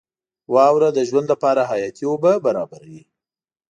• واوره د ژوند لپاره حیاتي اوبه برابروي.